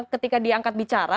ketika diangkat bicara